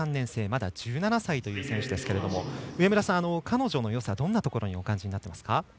まだ１７歳という選手ですけれども上村さん、彼女のよさどんなところに感じていますか。